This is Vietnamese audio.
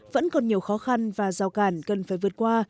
vẫn còn nhiều khó khăn và rào cản cần phải vượt qua